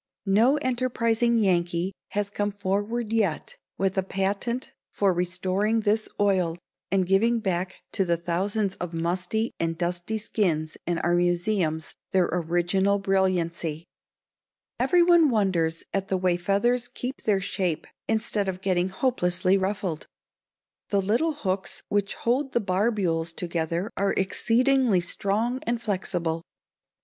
No enterprising Yankee has come forward yet with a patent for restoring this oil and giving back to the thousands of musty and dusty skins in our museums their original brilliancy. Every one wonders at the way feathers keep their shape instead of getting hopelessly ruffled. The little hooks which hold the barbules together are exceedingly strong and flexible.